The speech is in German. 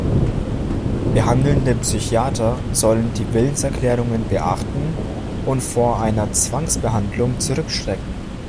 Behandelnde Psychiater sollen die Willenserklärungen beachten und vor einer Zwangsbehandlung zurückschrecken.